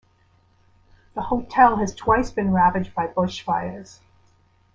The hotel has twice been ravaged by bushfires.